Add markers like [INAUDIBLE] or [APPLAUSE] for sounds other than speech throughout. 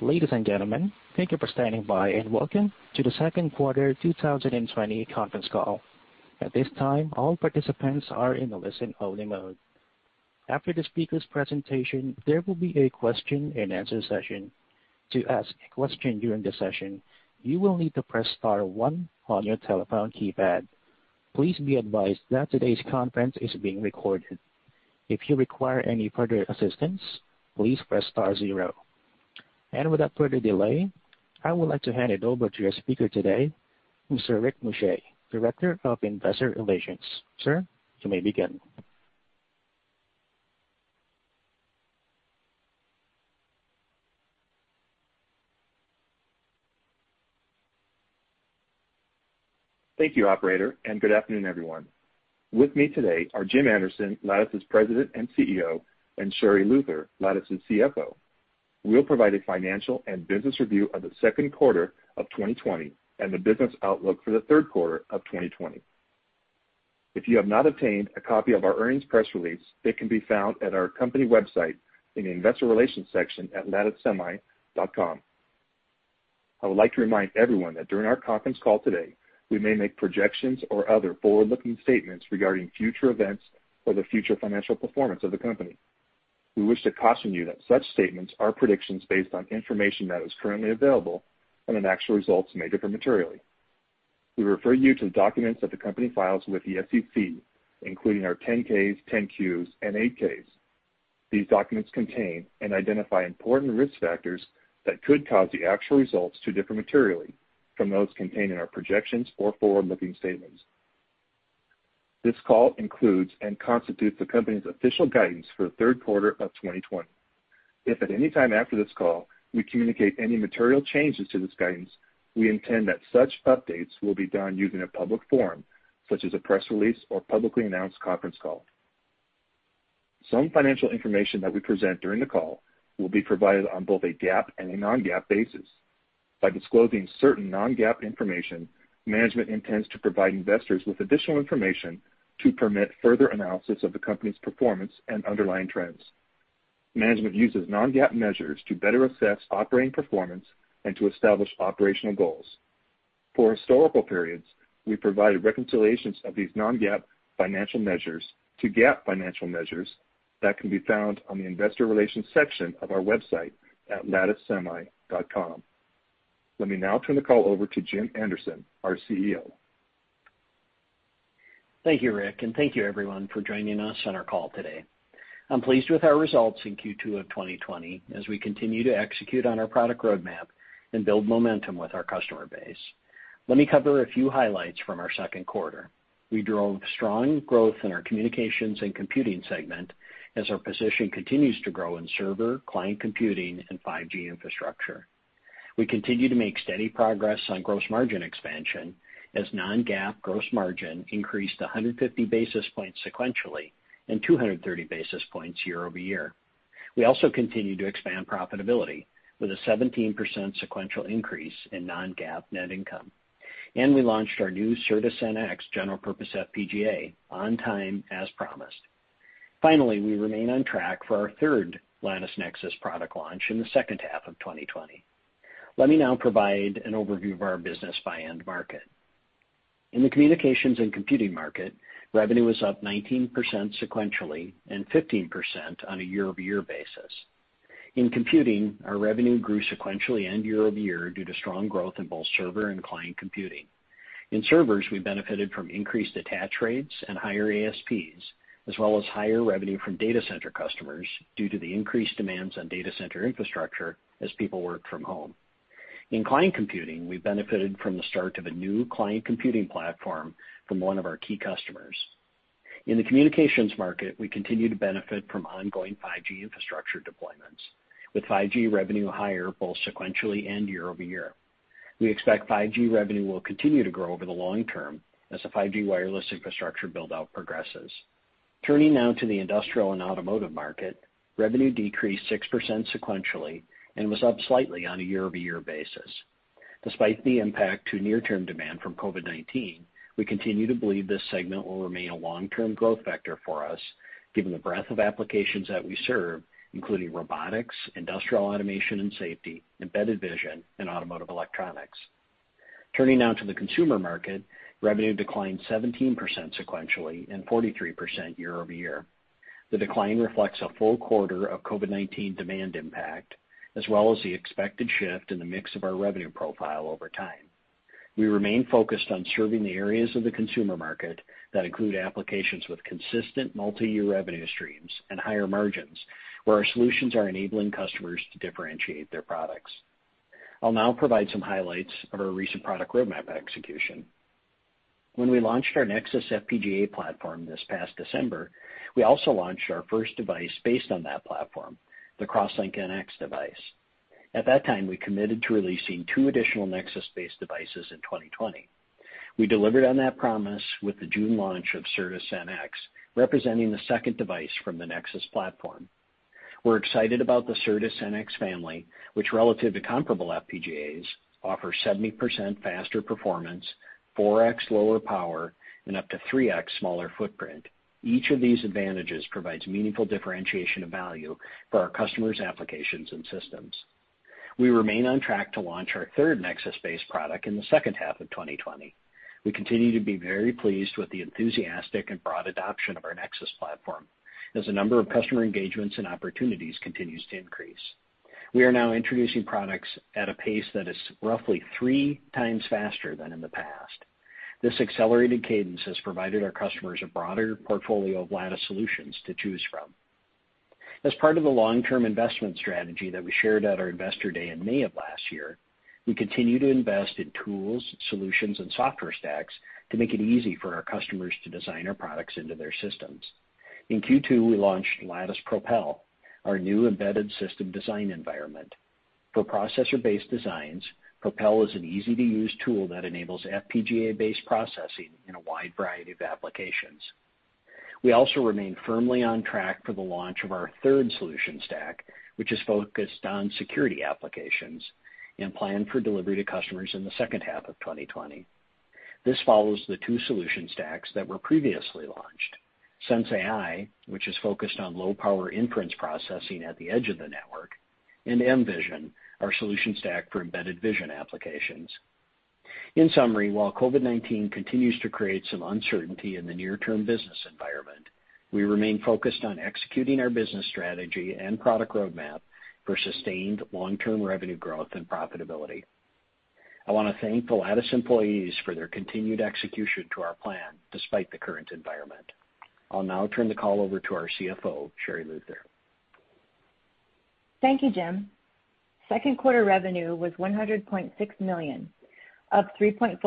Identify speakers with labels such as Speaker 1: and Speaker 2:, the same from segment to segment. Speaker 1: Ladies and gentlemen, thank you for standing by, and welcome to the second quarter 2020 conference call. At this time, all participants are in a listen-only mode. After the speaker's presentation, there will be a question-and-answer session. To ask a question during the session, you will need to press star one on your telephone keypad. Please be advised that today's conference is being recorded. If you require any further assistance, please press star zero. Without further delay, I would like to hand it over to your speaker today, Mr. Rick Muscha, Director of Investor Relations. Sir, you may begin.
Speaker 2: Thank you, operator, and good afternoon, everyone. With me today are Jim Anderson, Lattice's President and CEO, and Sherri Luther, Lattice's CFO. We'll provide a financial and business review of the second quarter of 2020 and the business outlook for the third quarter of 2020. If you have not obtained a copy of our earnings press release, it can be found at our company website in the Investor Relations section at latticesemi.com. I would like to remind everyone that during our conference call today, we may make projections or other forward-looking statements regarding future events or the future financial performance of the company. We wish to caution you that such statements are predictions based on information that is currently available, and that actual results may differ materially. We refer you to the documents that the company files with the SEC, including our 10-Ks, 10-Qs, and 8-Ks. These documents contain and identify important risk factors that could cause the actual results to differ materially from those contained in our projections or forward-looking statements. This call includes and constitutes the company's official guidance for the third quarter of 2020. If at any time after this call, we communicate any material changes to this guidance, we intend that such updates will be done using a public forum, such as a press release or publicly announced conference call. Some financial information that we present during the call will be provided on both a GAAP and a non-GAAP basis. By disclosing certain non-GAAP information, management intends to provide investors with additional information to permit further analysis of the company's performance and underlying trends. Management uses non-GAAP measures to better assess operating performance and to establish operational goals. For historical periods, we provide reconciliations of these non-GAAP financial measures to GAAP financial measures that can be found on the Investor Relations section of our website at latticesemi.com. Let me now turn the call over to Jim Anderson, our CEO.
Speaker 3: Thank you, Rick, and thank you, everyone, for joining us on our call today. I'm pleased with our results in Q2 of 2020 as we continue to execute on our product roadmap and build momentum with our customer base. Let me cover a few highlights from our second quarter. We drove strong growth in our Communications and Computing segment as our position continues to grow in server, client computing, and 5G infrastructure. We continue to make steady progress on gross margin expansion as non-GAAP gross margin increased 150 basis points sequentially and 230 basis points year-over-year. We also continue to expand profitability with a 17% sequential increase in non-GAAP net income. We launched our new Certus-NX general purpose FPGA on time as promised. Finally, we remain on track for our third Lattice Nexus product launch in the second half of 2020. Let me now provide an overview of our business by end market. In the Communications and Computing market, revenue was up 19% sequentially and 15% on a year-over-year basis. In computing, our revenue grew sequentially and year-over-year due to strong growth in both server and client computing. In servers, we benefited from increased attach rates and higher ASPs, as well as higher revenue from data center customers due to the increased demands on data center infrastructure as people worked from home. In client computing, we benefited from the start of a new client computing platform from one of our key customers. In the communications market, we continue to benefit from ongoing 5G infrastructure deployments, with 5G revenue higher both sequentially and year-over-year. We expect 5G revenue will continue to grow over the long term as the 5G wireless infrastructure build-out progresses. Turning now to the industrial and automotive market, revenue decreased 6% sequentially and was up slightly on a year-over-year basis. Despite the impact to near-term demand from COVID-19, we continue to believe this segment will remain a long-term growth vector for us given the breadth of applications that we serve, including robotics, industrial automation and safety, embedded vision, and automotive electronics. Turning now to the consumer market, revenue declined 17% sequentially and 43% year-over-year. The decline reflects a full quarter of COVID-19 demand impact, as well as the expected shift in the mix of our revenue profile over time. We remain focused on serving the areas of the consumer market that include applications with consistent multi-year revenue streams and higher margins where our solutions are enabling customers to differentiate their products. I'll now provide some highlights of our recent product roadmap execution. When we launched our Nexus FPGA platform this past December, we also launched our first device based on that platform, the CrossLink-NX device. At that time, we committed to releasing two additional Nexus-based devices in 2020. We delivered on that promise with the June launch of Certus-NX, representing the second device from the Nexus platform. We're excited about the Certus-NX family, which relative to comparable FPGAs, offers 70% faster performance, 4x lower power, and up to 3x smaller footprint. Each of these advantages provides meaningful differentiation of value for our customers' applications and systems. We remain on track to launch our third Nexus-based product in the second half of 2020. We continue to be very pleased with the enthusiastic and broad adoption of our Nexus platform, as the number of customer engagements and opportunities continues to increase. We are now introducing products at a pace that is roughly three times faster than in the past. This accelerated cadence has provided our customers a broader portfolio of Lattice solutions to choose from. As part of the long-term investment strategy that we shared at our Investor Day in May of last year, we continue to invest in tools, solutions, and software stacks to make it easy for our customers to design our products into their systems. In Q2, we launched Lattice Propel, our new embedded system design environment. For processor-based designs, Propel is an easy-to-use tool that enables FPGA-based processing in a wide variety of applications. We also remain firmly on track for the launch of our third solution stack, which is focused on security applications and planned for delivery to customers in the second half of 2020. This follows the two solution stacks that were previously launched, sensAI, which is focused on low-power inference processing at the edge of the network, and mVision, our solution stack for embedded vision applications. In summary, while COVID-19 continues to create some uncertainty in the near-term business environment, we remain focused on executing our business strategy and product roadmap for sustained long-term revenue growth and profitability. I want to thank the Lattice employees for their continued execution to our plan despite the current environment. I'll now turn the call over to our CFO, Sherri Luther.
Speaker 4: Thank you, Jim. Second quarter revenue was $100.6 million, up 3.4%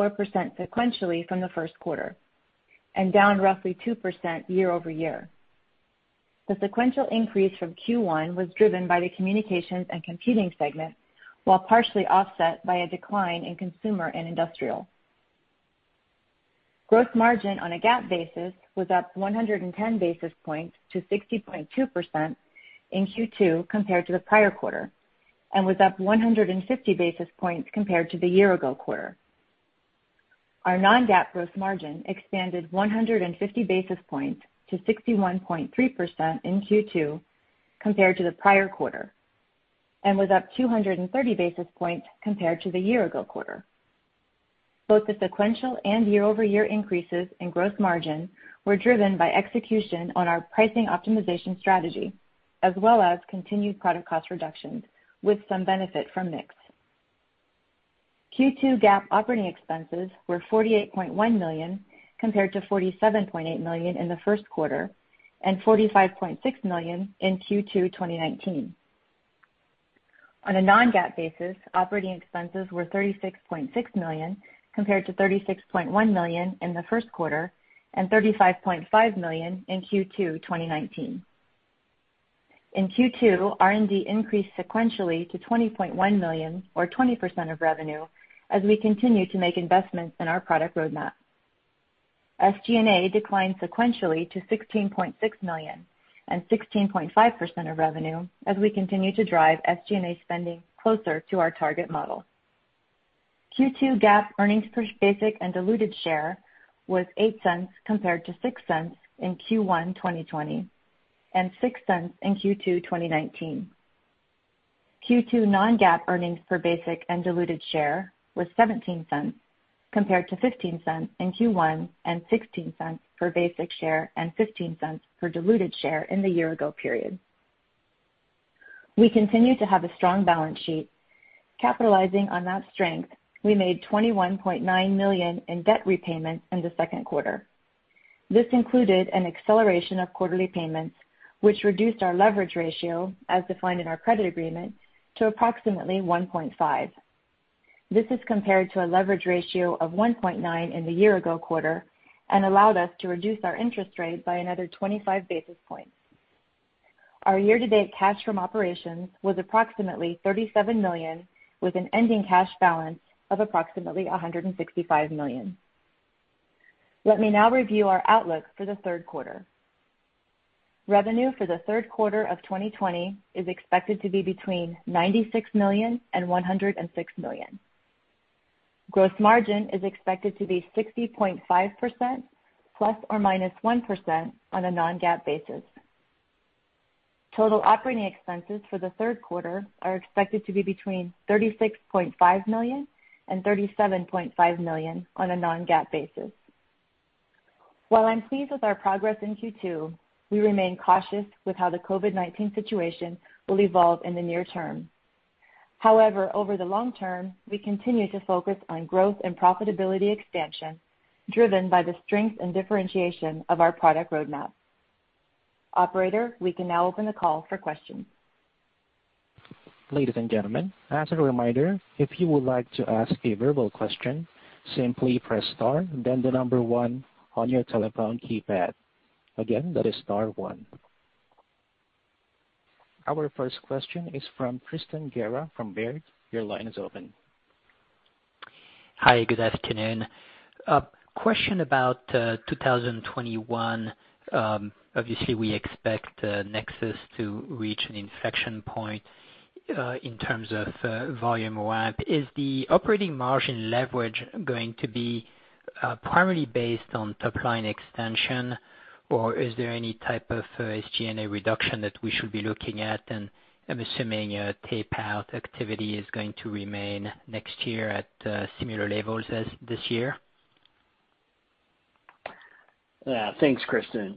Speaker 4: sequentially from the first quarter, down roughly 2% year-over-year. The sequential increase from Q1 was driven by the Communications and Computing segment, while partially offset by a decline in consumer and industrial. Gross margin on a GAAP basis was up 110 basis points to 60.2% in Q2 compared to the prior quarter, was up 150 basis points compared to the year-ago quarter. Our non-GAAP gross margin expanded 150 basis points to 61.3% in Q2 compared to the prior quarter, was up 230 basis points compared to the year-ago quarter. Both the sequential and year-over-year increases in gross margin were driven by execution on our pricing optimization strategy, as well as continued product cost reductions, with some benefit from mix. Q2 GAAP operating expenses were $48.1 million, compared to $47.8 million in the first quarter and $45.6 million in Q2 2019. On a non-GAAP basis, operating expenses were $36.6 million, compared to $36.1 million in the first quarter and $35.5 million in Q2 2019. In Q2, R&D increased sequentially to $20.1 million or 20% of revenue as we continue to make investments in our product roadmap. SG&A declined sequentially to $16.6 million and 16.5% of revenue as we continue to drive SG&A spending closer to our target model. Q2 GAAP earnings per basic and diluted share was $0.08 compared to $0.06 in Q1 2020, and $0.06 in Q2 2019. Q2 non-GAAP earnings per basic and diluted share was $0.17, compared to $0.15 in Q1 and $0.16 per basic share and $0.15 per diluted share in the year-ago period. We continue to have a strong balance sheet. Capitalizing on that strength, we made $21.9 million in debt repayment in the second quarter. This included an acceleration of quarterly payments, which reduced our leverage ratio, as defined in our credit agreement, to approximately 1.5x. This is compared to a leverage ratio of 1.9x in the year-ago quarter and allowed us to reduce our interest rate by another 25 basis points. Our year-to-date cash from operations was approximately $37 million, with an ending cash balance of approximately $165 million. Let me now review our outlook for the third quarter. Revenue for the third quarter of 2020 is expected to be between $96 million and $106 million. Gross margin is expected to be 60.5% ±1% on a non-GAAP basis. Total operating expenses for the third quarter are expected to be between $36.5 million and $37.5 million on a non-GAAP basis. While I'm pleased with our progress in Q2, we remain cautious with how the COVID-19 situation will evolve in the near term. However, over the long term, we continue to focus on growth and profitability expansion, driven by the strength and differentiation of our product roadmap. Operator, we can now open the call for questions.
Speaker 1: Ladies and gentlemen, as a reminder, if you would like to ask a verbal question, simply press star then the number one on your telephone keypad. Again, that is star one. Our first question is from Tristan Gerra from Baird. Your line is open.
Speaker 5: Hi. Good afternoon. A question about 2021. Obviously, we expect Nexus to reach an inflection point in terms of volume ramp. Is the operating margin leverage going to be primarily based on top-line extension, or is there any type of SG&A reduction that we should be looking at? I'm assuming tape-out activity is going to remain next year at similar levels as this year.
Speaker 3: Thanks, Tristan,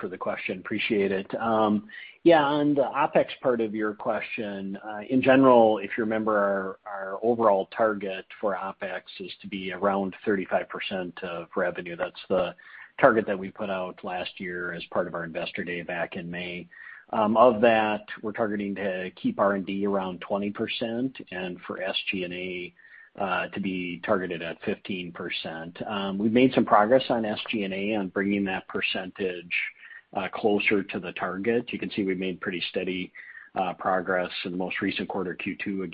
Speaker 3: for the question. Appreciate it. On the OpEx part of your question, in general, if you remember, our overall target for OpEx is to be around 35% of revenue. That's the target that we put out last year as part of our Investor Day back in May. Of that, we're targeting to keep R&D around 20%, and for SG&A, to be targeted at 15%. We've made some progress on SG&A on bringing that percentage closer to the target. You can see we've made pretty steady progress in the most recent quarter, Q2.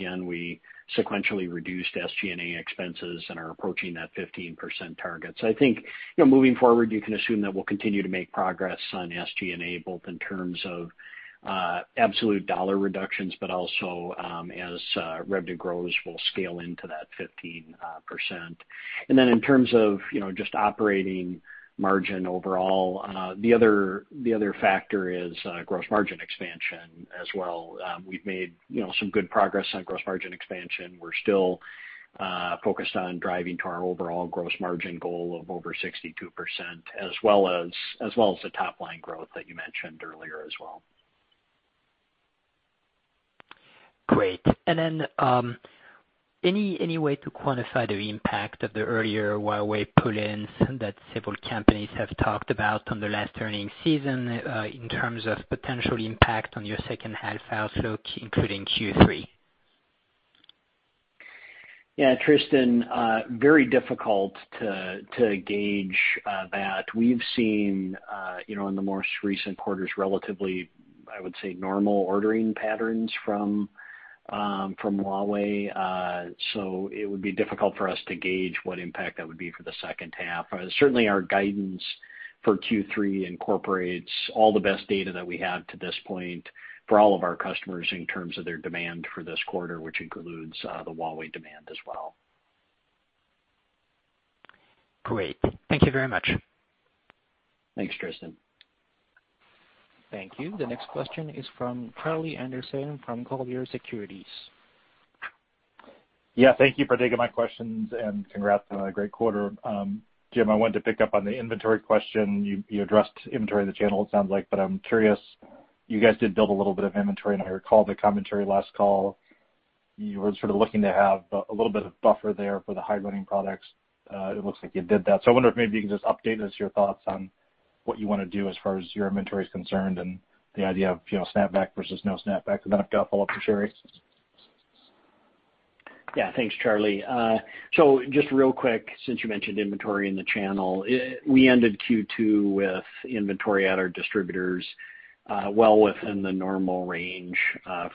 Speaker 3: We sequentially reduced SG&A expenses and are approaching that 15% target. I think, moving forward, you can assume that we'll continue to make progress on SG&A, both in terms of absolute dollar reductions, but also, as revenue grows, we'll scale into that 15%. In terms of just operating margin overall, the other factor is gross margin expansion as well. We've made some good progress on gross margin expansion. We're still focused on driving to our overall gross margin goal of over 62%, as well as the top-line growth that you mentioned earlier as well.
Speaker 5: Great. Any way to quantify the impact of the earlier Huawei pull-ins that several companies have talked about on the last earning season, in terms of potential impact on your second half outlook, including Q3?
Speaker 3: Yeah, Tristan, very difficult to gauge that. We've seen, in the most recent quarters, relatively, I would say, normal ordering patterns from Huawei. It would be difficult for us to gauge what impact that would be for the second half. Certainly, our guidance for Q3 incorporates all the best data that we have to this point for all of our customers in terms of their demand for this quarter, which includes the Huawei demand as well.
Speaker 5: Great. Thank you very much.
Speaker 3: Thanks, Tristan.
Speaker 1: Thank you. The next question is from Charlie Anderson from Colliers Securities.
Speaker 6: Yeah, thank you for taking my questions, and congrats on a great quarter. Jim, I wanted to pick up on the inventory question. You addressed inventory in the channel, it sounds like, but I'm curious. You guys did build a little bit of inventory, and I recall the commentary last call. You were sort of looking to have a little bit of buffer there for the high-running products. It looks like you did that. I wonder if maybe you can just update us your thoughts on what you want to do as far as your inventory is concerned and the idea of snap back versus no snap back. Then I've got a follow-up for Sherri.
Speaker 3: Yeah. Thanks, Charlie. Just real quick, since you mentioned inventory in the channel, we ended Q2 with inventory at our distributors, well within the normal range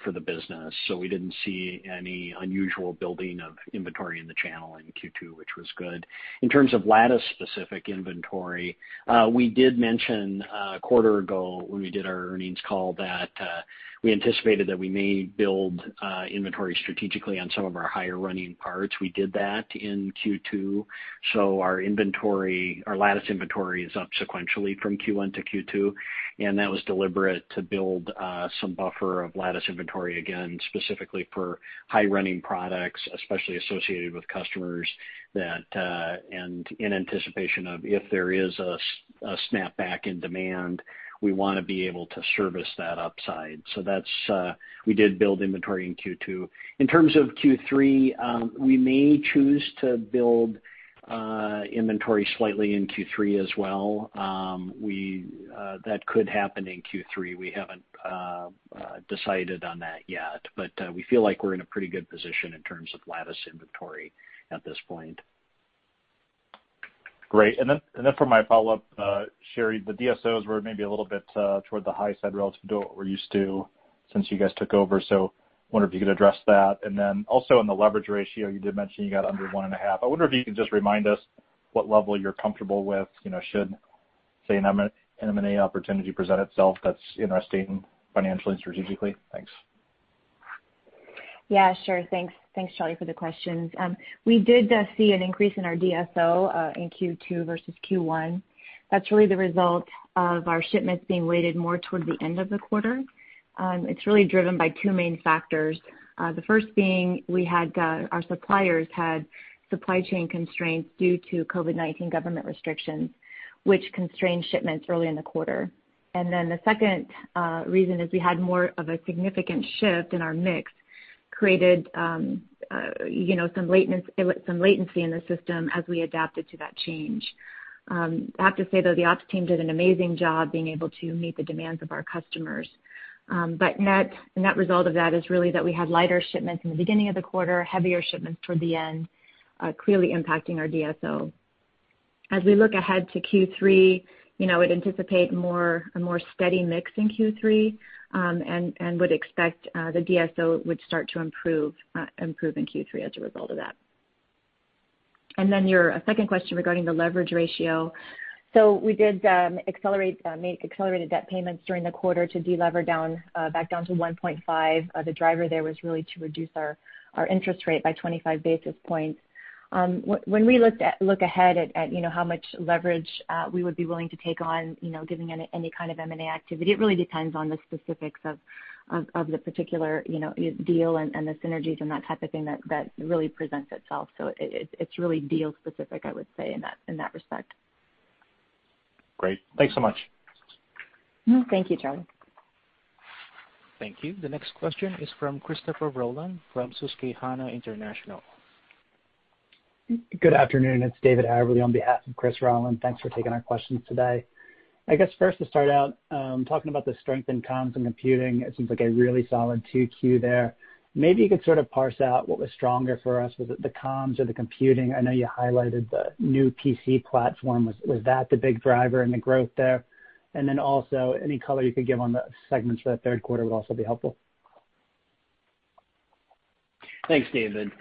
Speaker 3: for the business. We didn't see any unusual building of inventory in the channel in Q2, which was good. In terms of Lattice specific inventory, we did mention a quarter ago when we did our earnings call that we anticipated that we may build inventory strategically on some of our higher-running parts. We did that in Q2. Our Lattice inventory is up sequentially from Q1 to Q2, and that was deliberate to build some buffer of Lattice inventory, again, specifically for high-running products, especially associated with customers that, and in anticipation of if there is a snap back in demand, we want to be able to service that upside. We did build inventory in Q2. In terms of Q3, we may choose to build inventory slightly in Q3 as well. That could happen in Q3. We haven't decided on that yet, but we feel like we're in a pretty good position in terms of Lattice inventory at this point.
Speaker 6: Great. For my follow-up, Sherri, the DSOs were maybe a little bit toward the high side relative to what we're used to since you guys took over. I wonder if you could address that. Also on the leverage ratio, you did mention you got under 1.5x. I wonder if you could just remind us what level you're comfortable with, should say, an M&A opportunity present itself that's interesting financially and strategically? Thanks.
Speaker 4: Yeah, sure. Thanks, Charlie, for the questions. We did see an increase in our DSO in Q2 versus Q1. That's really the result of our shipments being weighted more toward the end of the quarter. It's really driven by two main factors. The first being our suppliers had supply chain constraints due to COVID-19 government restrictions, which constrained shipments early in the quarter. The second reason is we had more of a significant shift in our mix, created some latency in the system as we adapted to that change. I have to say, though, the ops team did an amazing job being able to meet the demands of our customers. Net result of that is really that we had lighter shipments in the beginning of the quarter, heavier shipments toward the end, clearly impacting our DSO. We look ahead to Q3, I would anticipate a more steady mix in Q3, and would expect the DSO would start to improve in Q3 as a result of that. Your second question regarding the leverage ratio. We did accelerated debt payments during the quarter to delever back down to 1.5x. The driver there was really to reduce our interest rate by 25 basis points. When we look ahead at how much leverage we would be willing to take on, giving any kind of M&A activity, it really depends on the specifics of the particular deal and the synergies and that type of thing that really presents itself. It's really deal specific, I would say, in that respect.
Speaker 6: Great. Thanks so much.
Speaker 4: Thank you, Charlie.
Speaker 1: Thank you. The next question is from Christopher Rolland from Susquehanna International.
Speaker 7: Good afternoon, it's David Haberle on behalf of Chris Rolland. Thanks for taking our questions today. I guess first to start out, talking about the strength in Comms and Computing, it seems like a really solid 2Q there. Maybe you could sort of parse out what was stronger for us. Was it the Comms or the Computing? I know you highlighted the new PC platform. Was that the big driver in the growth there? Also, any color you could give on the segments for that third quarter would also be helpful.
Speaker 3: Thanks, David.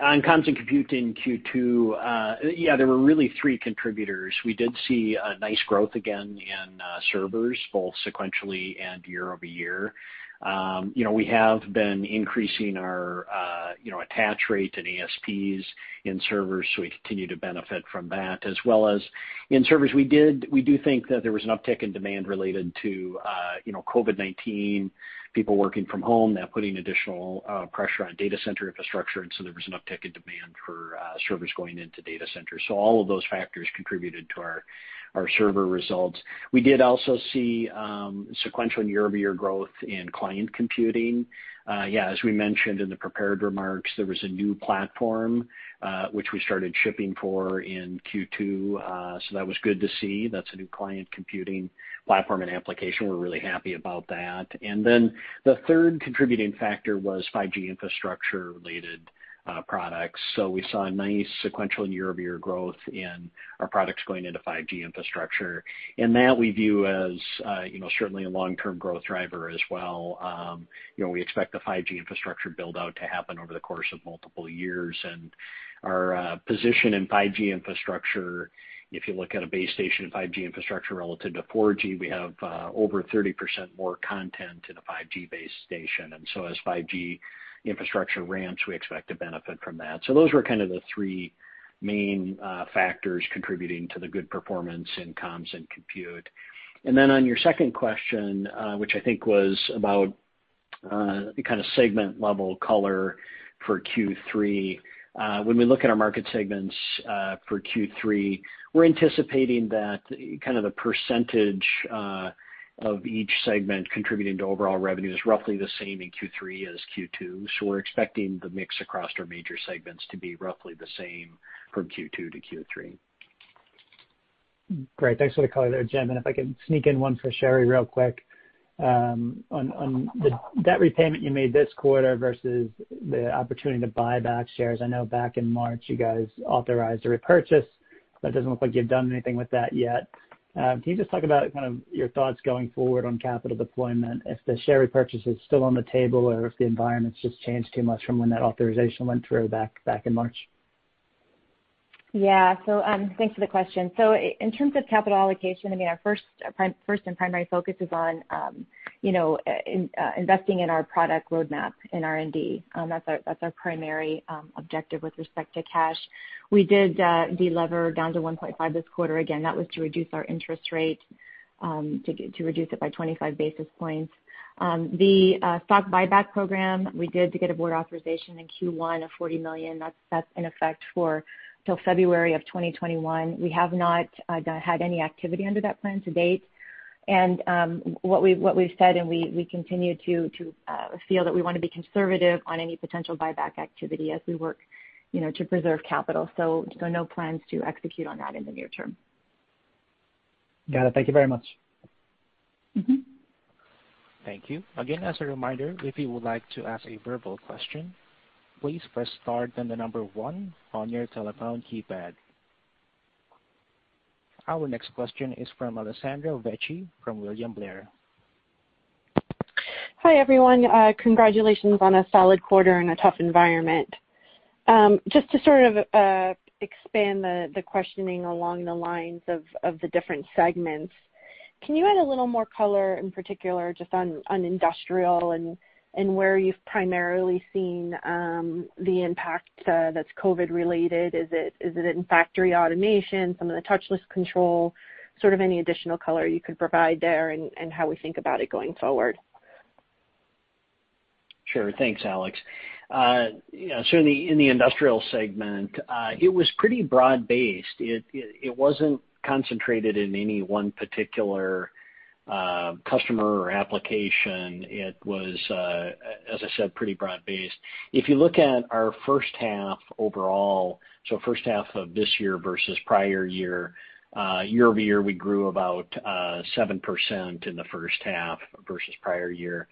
Speaker 3: On Comms and Computing Q2, yeah, there were really three contributors. We did see a nice growth again in servers, both sequentially and year-over-year. We have been increasing our attach rate and ASPs in servers. We continue to benefit from that. As well as in servers, we do think that there was an uptick in demand related to COVID-19, people working from home, that putting additional pressure on data center infrastructure. There was an uptick in demand for servers going into data centers. All of those factors contributed to our server results. We did also see sequential and year-over-year growth in client computing. As we mentioned in the prepared remarks, there was a new platform, which we started shipping for in Q2. That was good to see. That's a new client computing platform and application. We're really happy about that. The third contributing factor was 5G infrastructure-related products. We saw a nice sequential and year-over-year growth in our products going into 5G infrastructure. That we view as certainly a long-term growth driver as well. We expect the 5G infrastructure build-out to happen over the course of multiple years. Our position in 5G infrastructure, if you look at a base station 5G infrastructure relative to 4G, we have over 30% more content in a 5G base station. As 5G infrastructure ramps, we expect to benefit from that. Those were kind of the three main factors contributing to the good performance in Comms and Compute. On your second question, which I think was about the kind of segment-level color for Q3. When we look at our market segments for Q3, we're anticipating that kind of the percentage of each segment contributing to overall revenue is roughly the same in Q3 as Q2. We're expecting the mix across our major segments to be roughly the same from Q2 to Q3.
Speaker 7: Great. Thanks for the color there, Jim. If I can sneak in one for Sherri real quick. On the debt repayment you made this quarter versus the opportunity to buy back shares, I know back in March, you guys authorized a repurchase, but it doesn't look like you've done anything with that yet. Can you just talk about kind of your thoughts going forward on capital deployment, if the share repurchase is still on the table, or if the environment's just changed too much from when that authorization went through back in March?
Speaker 4: Yeah. Thanks for the question. In terms of capital allocation, our first and primary focus is on investing in our product roadmap in R&D. That's our primary objective with respect to cash. We did delever down to 1.5x this quarter. Again, that was to reduce our interest rate, to reduce it by 25 basis points. The stock buyback program, we did to get a Board authorization in Q1 of $40 million. That's in effect till February of 2021. We have not had any activity under that plan to-date. What we've said, and we continue to feel that we want to be conservative on any potential buyback activity as we work to preserve capital. No plans to execute on that in the near term.
Speaker 7: Got it. Thank you very much.
Speaker 1: Thank you. Again, as a reminder, if you would like to ask a verbal question, please press star then the number one on your telephone keypad. Our next question is from Alessandra Vecchi from William Blair.
Speaker 8: Hi, everyone. Congratulations on a solid quarter in a tough environment. Just to sort of expand the questioning along the lines of the different segments, can you add a little more color, in particular, just on industrial and where you've primarily seen the impact that's COVID-19 related? Is it in factory automation, some of the touchless control? Sort of any additional color you could provide there and how we think about it going forward.
Speaker 3: Sure. Thanks, Alex. Certainly, in the industrial segment, it was pretty broad-based. It wasn't concentrated in any one particular customer or application. It was, as I said, pretty broad-based. If you look at our first half overall, first half of this year versus prior year-over-year, we grew about 7% in the first half versus prior year.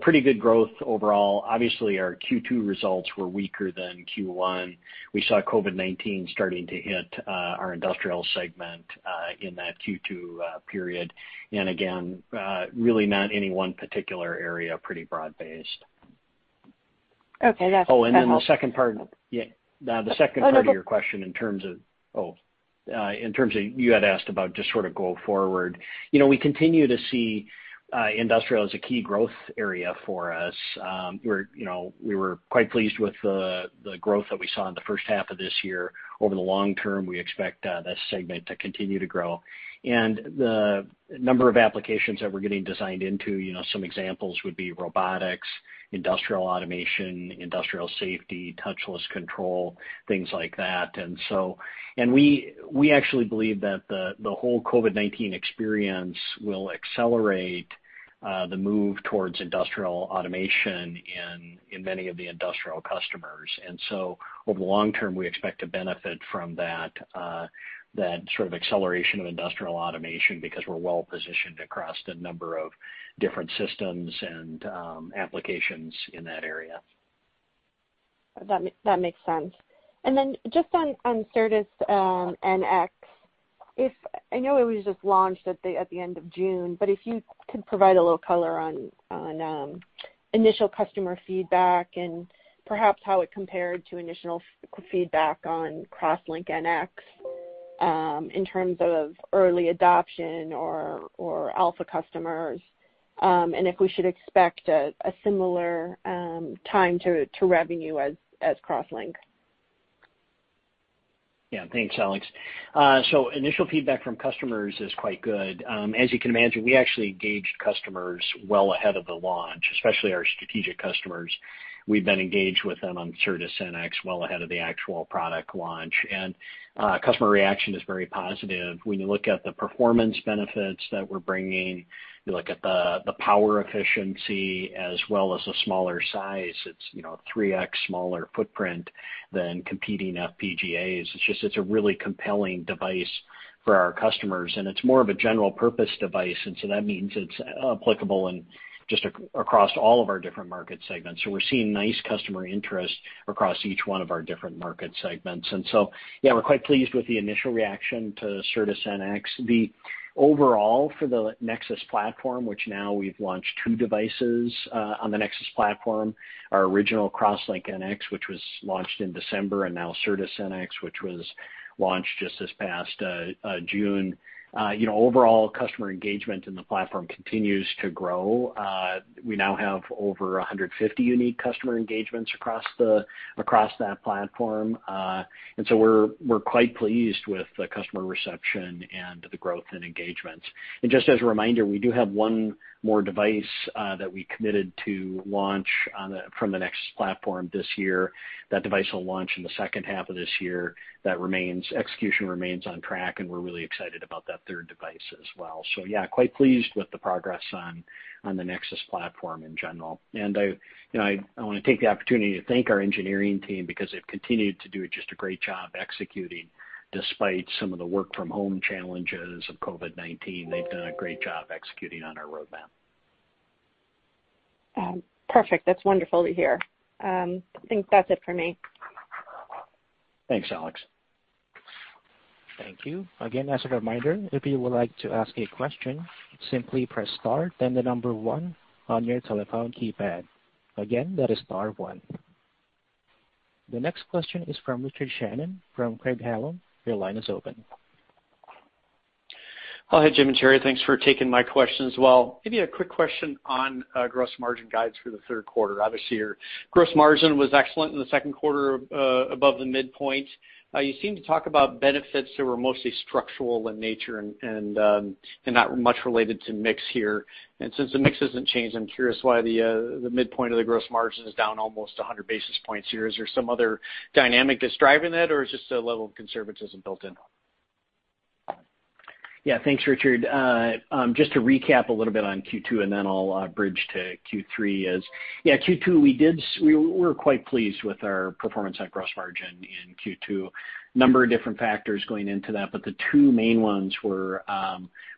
Speaker 3: Pretty good growth overall. Obviously, our Q2 results were weaker than Q1. We saw COVID-19 starting to hit our industrial segment in that Q2 period. Again, really not any one particular area, pretty broad-based.
Speaker 8: Okay, that's helpful.
Speaker 3: The second part of [CROSSTALK] your question in terms of you had asked about just sort of go forward. We continue to see industrial as a key growth area for us. We were quite pleased with the growth that we saw in the first half of this year. Over the long term, we expect that segment to continue to grow. The number of applications that we're getting designed into, some examples would be robotics, industrial automation, industrial safety, touchless control, things like that. We actually believe that the whole COVID-19 experience will accelerate the move towards industrial automation in many of the industrial customers. Over the long term, we expect to benefit from that sort of acceleration of industrial automation because we're well-positioned across the number of different systems and applications in that area.
Speaker 8: That makes sense. Just on Certus-NX, I know it was just launched at the end of June, but if you could provide a little color on initial customer feedback and perhaps how it compared to initial feedback on CrossLink-NX in terms of early adoption or alpha customers. If we should expect a similar time to revenue as CrossLink.
Speaker 3: Yeah, thanks, Alex. Initial feedback from customers is quite good. As you can imagine, we actually engaged customers well ahead of the launch, especially our strategic customers. We've been engaged with them on Certus-NX well ahead of the actual product launch. Customer reaction is very positive. When you look at the performance benefits that we're bringing, you look at the power efficiency as well as the smaller size. It's 3x smaller footprint than competing FPGAs. It's a really compelling device for our customers, and it's more of a general-purpose device. That means it's applicable in just across all of our different market segments. We're seeing nice customer interest across each one of our different market segments. Yeah, we're quite pleased with the initial reaction to Certus-NX. The overall for the Nexus platform, which now we've launched two devices on the Nexus platform, our original CrossLink-NX, which was launched in December, and now Certus-NX, which was launched just this past June. Overall customer engagement in the platform continues to grow. We now have over 150 unique customer engagements across that platform. We're quite pleased with the customer reception and the growth and engagements. Just as a reminder, we do have one more device that we committed to launch from the Nexus platform this year. That device will launch in the second half of this year. That execution remains on track, and we're really excited about that third device as well. Yeah, quite pleased with the progress on the Nexus platform in general. I want to take the opportunity to thank our engineering team because they've continued to do just a great job executing despite some of the work from home challenges of COVID-19. They've done a great job executing on our roadmap.
Speaker 8: Perfect. That's wonderful to hear. I think that's it for me.
Speaker 3: Thanks, Alex.
Speaker 1: Thank you. As a reminder, if you would like to ask a question, simply press star, then the number one on your telephone keypad. That is star one. The next question is from Richard Shannon from Craig-Hallum. Your line is open.
Speaker 9: Hi, Jim and Sherri. Thanks for taking my questions. Well, maybe a quick question on gross margin guides for the third quarter. Obviously, your gross margin was excellent in the second quarter above the midpoint. You seem to talk about benefits that were mostly structural in nature and not much related to mix here. Since the mix hasn't changed, I'm curious why the midpoint of the gross margin is down almost 100 basis points here. Is there some other dynamic that's driving that, or is just a level of conservatism built in?
Speaker 3: Yeah. Thanks, Richard. Just to recap a little bit on Q2, and then I'll bridge to Q3. Q2, we were quite pleased with our performance on gross margin in Q2. Number of different factors going into that, but the two main ones were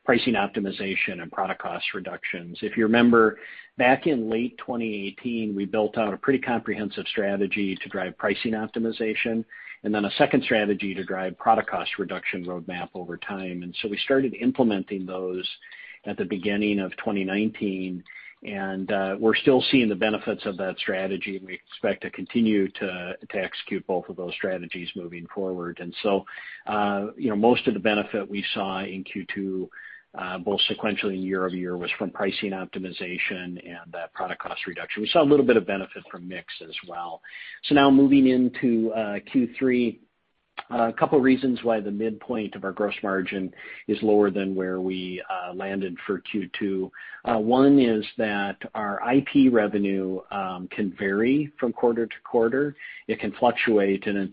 Speaker 3: pricing optimization and product cost reductions. If you remember back in late 2018, we built out a pretty comprehensive strategy to drive pricing optimization, and then a second strategy to drive product cost reduction roadmap over time. We started implementing those at the beginning of 2019, and we're still seeing the benefits of that strategy, and we expect to continue to execute both of those strategies moving forward. Most of the benefit we saw in Q2 both sequentially and year-over-year was from pricing optimization and product cost reduction. We saw a little bit of benefit from mix as well. Now moving into Q3, a couple of reasons why the midpoint of our gross margin is lower than where we landed for Q2. One is that our IP revenue can vary from quarter to quarter. It can fluctuate, and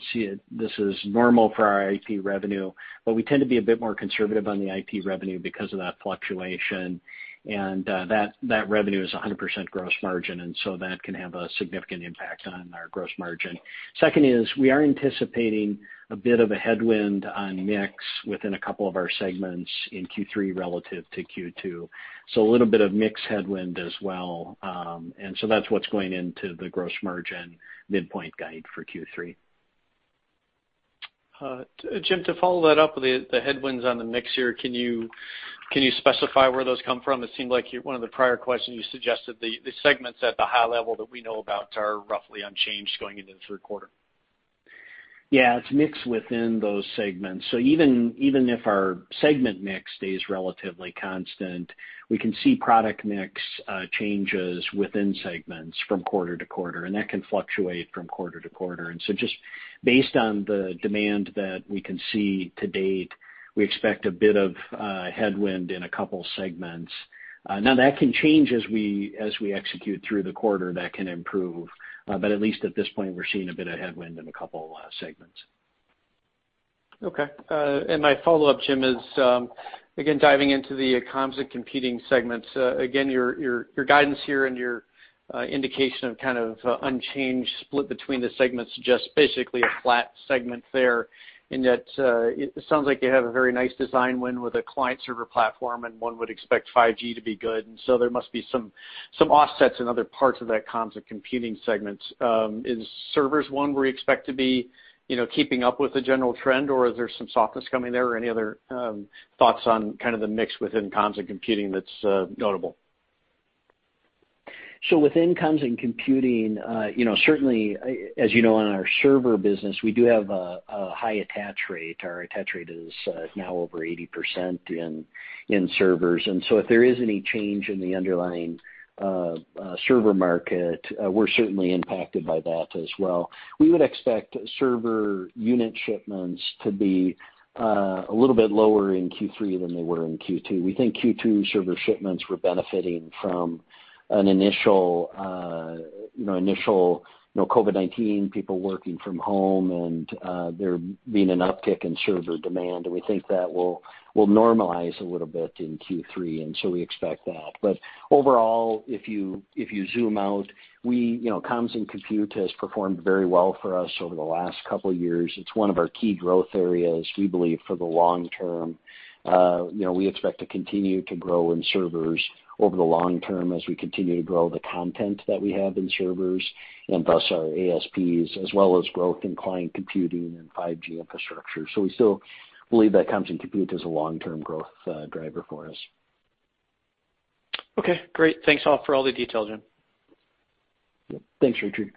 Speaker 3: this is normal for our IP revenue, but we tend to be a bit more conservative on the IP revenue because of that fluctuation, and that revenue is 100% gross margin, that can have a significant impact on our gross margin. Second is we are anticipating a bit of a headwind on mix within a couple of our segments in Q3 relative to Q2. A little bit of mix headwind as well. That's what's going into the gross margin midpoint guide for Q3.
Speaker 9: Jim, to follow that up with the headwinds on the mix here, can you specify where those come from? It seemed like one of the prior questions you suggested the segments at the high level that we know about are roughly unchanged going into the third quarter.
Speaker 3: Yeah, it's mix within those segments. Even if our segment mix stays relatively constant, we can see product mix changes within segments from quarter to quarter, and that can fluctuate from quarter to quarter. Just based on the demand that we can see to-date, we expect a bit of headwind in a couple segments. Now, that can change as we execute through the quarter, that can improve. At least at this point, we're seeing a bit of headwind in a couple segments.
Speaker 9: Okay. My follow-up, Jim, is again, diving into the Comms and Computing segments. Your guidance here and your indication of kind of unchanged split between the segments suggests basically a flat segment there, in that it sounds like you have a very nice design win with a client server platform, and one would expect 5G to be good, so there must be some offsets in other parts of that Comms and Computing segment. Is servers one where you expect to be keeping up with the general trend, or is there some softness coming there? Any other thoughts on kind of the mix within Comms and Computing that's notable?
Speaker 3: Within Comms and Computing, certainly, as you know, in our server business, we do have a high attach rate. Our attach rate is now over 80% in servers. If there is any change in the underlying server market, we're certainly impacted by that as well. We would expect server unit shipments to be a little bit lower in Q3 than they were in Q2. We think Q2 server shipments were benefiting from an initial COVID-19, people working from home, and there being an uptick in server demand, and we think that will normalize a little bit in Q3, we expect that. Overall, if you zoom out, Comms and Compute has performed very well for us over the last couple of years. It's one of our key growth areas, we believe, for the long term. We expect to continue to grow in servers over the long term as we continue to grow the content that we have in servers, and thus our ASPs, as well as growth in client computing and 5G infrastructure. We still believe that Comms and Compute is a long-term growth driver for us.
Speaker 9: Okay, great. Thanks a lot for all the details, Jim.
Speaker 3: Yep. Thanks, Richard.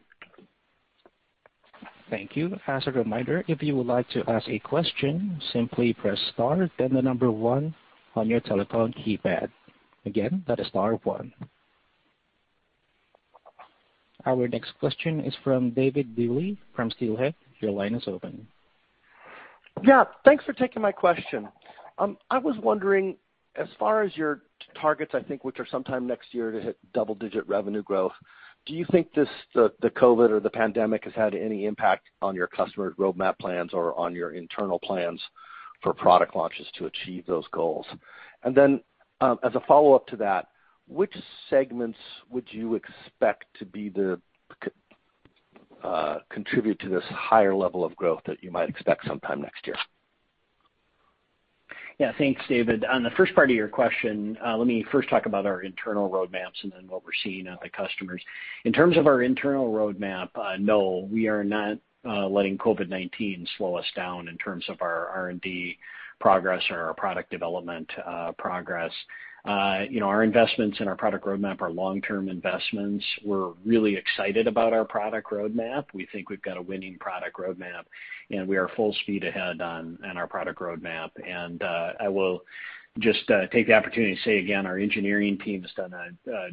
Speaker 1: Thank you. As a reminder, if you would like to ask a question, simply press star, then the number one on your telephone keypad. Again, that is star one. Our next question is from David Duley from Steelhead. Your line is open.
Speaker 10: Yeah. Thanks for taking my question. I was wondering, as far as your targets, I think, which are sometime next year to hit double-digit revenue growth, do you think the COVID or the pandemic has had any impact on your customer roadmap plans or on your internal plans for product launches to achieve those goals? As a follow-up to that, which segments would you expect to contribute to this higher level of growth that you might expect sometime next year?
Speaker 3: Yeah. Thanks, David. On the first part of your question, let me first talk about our internal roadmaps and then what we're seeing at the customers. In terms of our internal roadmap, no, we are not letting COVID-19 slow us down in terms of our R&D progress or our product development progress. Our investments and our product roadmap are long-term investments. We're really excited about our product roadmap. We think we've got a winning product roadmap, and we are full speed ahead on our product roadmap. I will just take the opportunity to say again, our engineering team has done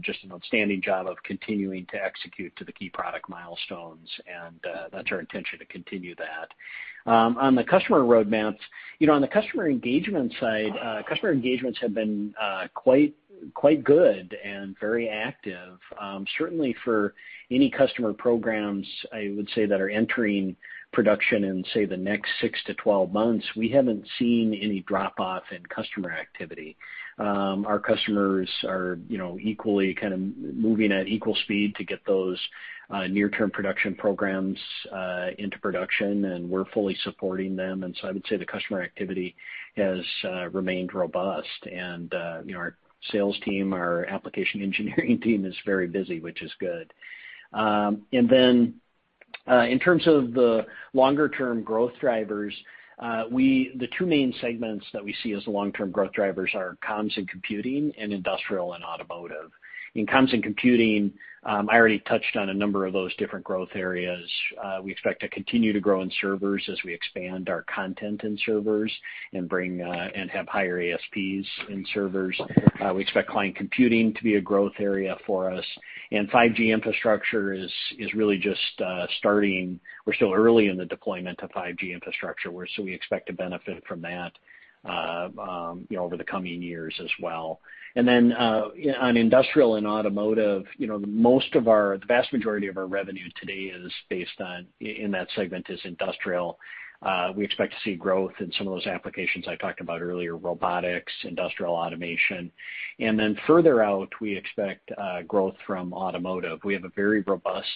Speaker 3: just an outstanding job of continuing to execute to the key product milestones, and that's our intention to continue that. On the customer roadmaps, on the customer engagement side, customer engagements have been quite good and very active. Certainly, for any customer programs, I would say that are entering production in, say, the next 6 to 12 months, we haven't seen any drop-off in customer activity. Our customers are moving at equal speed to get those near-term production programs into production, and we're fully supporting them. I would say the customer activity has remained robust. Our sales team, our application engineering team is very busy, which is good. In terms of the longer-term growth drivers, the two main segments that we see as the long-term growth drivers are Comms and Computing, and industrial and automotive. In Comms and Computing, I already touched on a number of those different growth areas. We expect to continue to grow in servers as we expand our content in servers and have higher ASPs in servers. We expect client computing to be a growth area for us. 5G infrastructure is really just starting. We're still early in the deployment of 5G infrastructure, we expect to benefit from that over the coming years as well. On Industrial and Automotive, the vast majority of our revenue today in that segment is Industrial. We expect to see growth in some of those applications I talked about earlier, robotics, industrial automation. Further out, we expect growth from Automotive. We have a very robust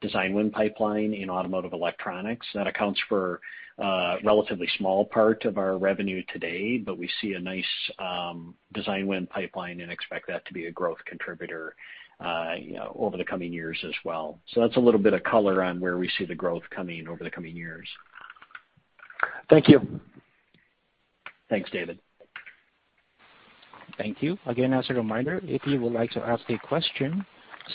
Speaker 3: design win pipeline in automotive electronics that accounts for a relatively small part of our revenue today, we see a nice design win pipeline and expect that to be a growth contributor over the coming years as well. That's a little bit of color on where we see the growth coming over the coming years.
Speaker 10: Thank you.
Speaker 3: Thanks, David.
Speaker 1: Thank you. As a reminder, if you would like to ask a question,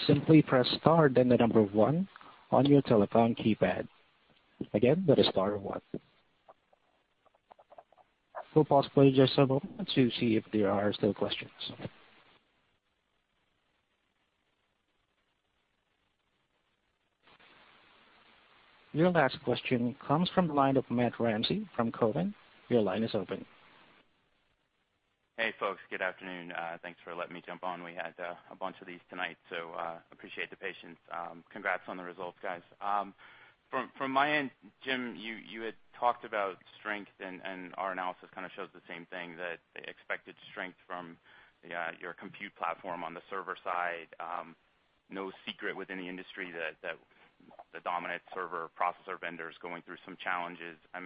Speaker 1: simply press star then the number one on your telephone keypad. That is star one. We'll pause for just a moment to see if there are still questions. Your last question comes from the line of Matt Ramsay from Cowen. Your line is open.
Speaker 11: Hey, folks. Good afternoon. Thanks for letting me jump on. We had a bunch of these tonight, so appreciate the patience. Congrats on the results, guys. From my end, Jim, you had talked about strength, and our analysis kind of shows the same thing, that expected strength from your compute platform on the server side. No secret within the industry that the dominant server processor vendor's going through some challenges. I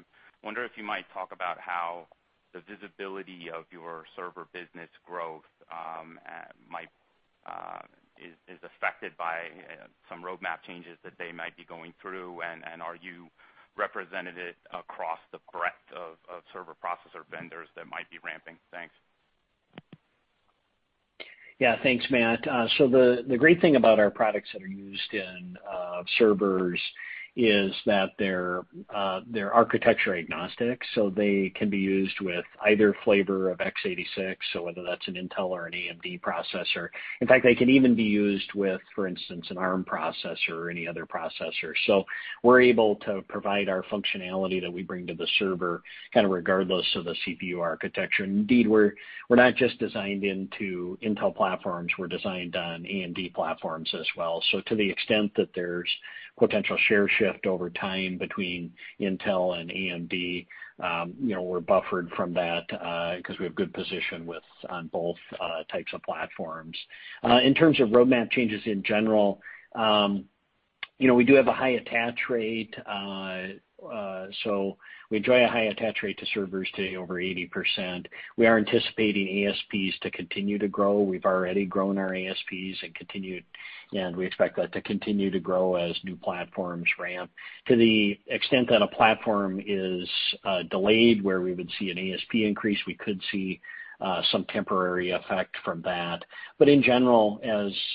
Speaker 11: wonder if you might talk about how the visibility of your server business growth is affected by some roadmap changes that they might be going through, and are you represented across the breadth of server processor vendors that might be ramping? Thanks.
Speaker 3: Yeah. Thanks, Matt. The great thing about our products that are used in servers is that they're architecture-agnostic, so they can be used with either flavor of x86, so whether that's an Intel or an AMD processor. In fact, they can even be used with, for instance, an ARM processor or any other processor. We're able to provide our functionality that we bring to the server kind of regardless of the CPU architecture. Indeed, we're not just designed into Intel platforms, we're designed on AMD platforms as well. To the extent that there's potential share shift over time between Intel and AMD, we're buffered from that because we have good position on both types of platforms. In terms of roadmap changes in general, we do have a high attach rate. We enjoy a high attach rate to servers today, over 80%. We are anticipating ASPs to continue to grow. We've already grown our ASPs and we expect that to continue to grow as new platforms ramp. To the extent that a platform is delayed where we would see an ASP increase, we could see some temporary effect from that. In general,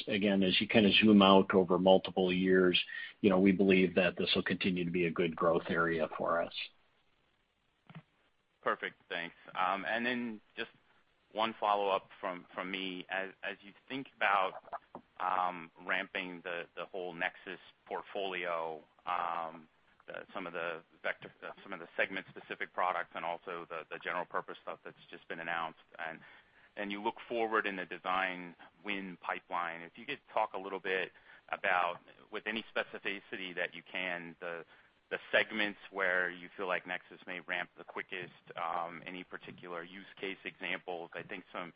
Speaker 3: again, as you kind of zoom out over multiple years, we believe that this will continue to be a good growth area for us.
Speaker 11: Perfect. Thanks. Then just one follow-up from me. As you think about ramping the whole Nexus portfolio, some of the segment-specific products and also the general purpose stuff that's just been announced, and you look forward in the design win pipeline, if you could talk a little bit about, with any specificity that you can, the segments where you feel like Nexus may ramp the quickest, any particular use case examples. I think some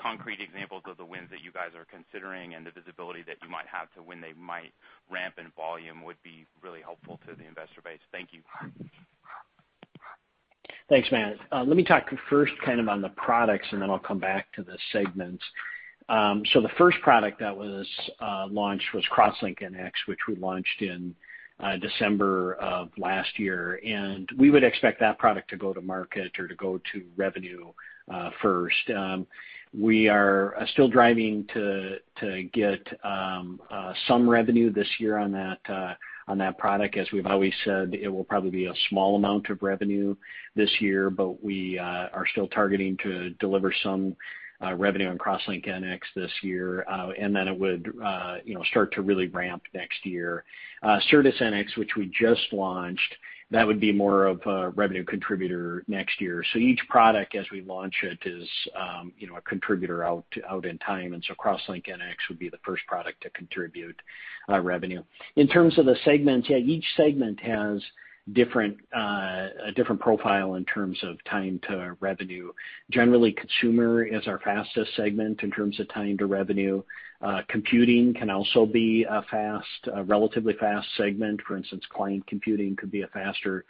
Speaker 11: concrete examples of the wins that you guys are considering and the visibility that you might have to when they might ramp in volume would be really helpful to the investor base. Thank you.
Speaker 3: Thanks, Matt. Let me talk first kind of on the products, and then I'll come back to the segments. The first product that was launched was CrossLink-NX, which we launched in December of last year, and we would expect that product to go to market or to go to revenue first. We are still driving to get some revenue this year on that product. As we've always said, it will probably be a small amount of revenue this year, but we are still targeting to deliver some revenue on CrossLink-NX this year. It would start to really ramp next year. Certus-NX, which we just launched, that would be more of a revenue contributor next year. Each product, as we launch it, is a contributor out in time, and so CrossLink-NX would be the first product to contribute revenue. In terms of the segments, yeah, each segment has a different profile in terms of time to revenue. Generally, consumer is our fastest segment in terms of time to revenue. Computing can also be a relatively fast segment. For instance, Client Computing could be a faster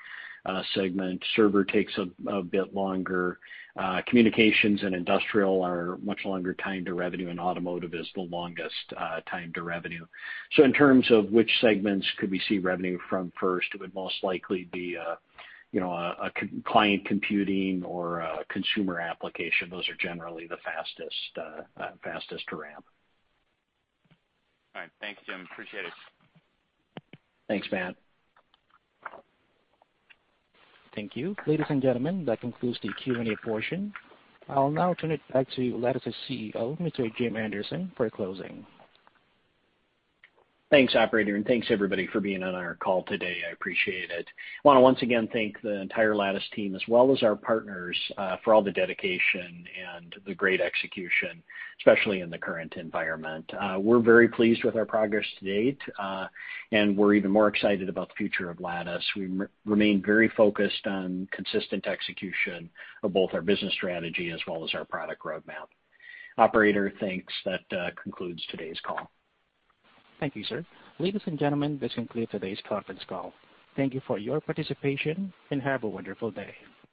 Speaker 3: segment. Server takes a bit longer. Communications and Industrial are much longer time to revenue, and Automotive is the longest time to revenue. In terms of which segments could we see revenue from first, it would most likely be a Client Computing or a Consumer Application. Those are generally the fastest to ramp.
Speaker 11: All right. Thanks, Jim. Appreciate it.
Speaker 3: Thanks, Matt.
Speaker 1: Thank you. Ladies and gentlemen, that concludes the Q&A portion. I'll now turn it back to Lattice CEO, Mr. Jim Anderson, for closing.
Speaker 3: Thanks, operator, and thanks, everybody, for being on our call today. I appreciate it. I want to once again thank the entire Lattice team as well as our partners for all the dedication and the great execution, especially in the current environment. We're very pleased with our progress to-date, and we're even more excited about the future of Lattice. We remain very focused on consistent execution of both our business strategy as well as our product roadmap. Operator, thanks. That concludes today's call.
Speaker 1: Thank you, sir. Ladies and gentlemen, this concludes today's conference call. Thank you for your participation, and have a wonderful day.